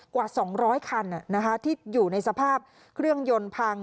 กว่าสองร้อยคันอ่ะนะฮะที่อยู่ในสภาพเครื่องยนต์พัง